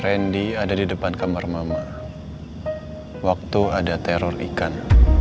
randy ada di depan kamar mama waktu ada teror ikan